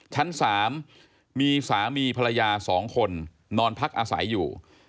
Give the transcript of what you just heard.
ชั้น๓มีสามีภรรยา๒คนนอนพักอาศัยอยู่